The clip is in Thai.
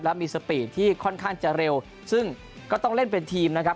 และมีสปีดที่ค่อนข้างจะเร็วซึ่งก็ต้องเล่นเป็นทีมนะครับ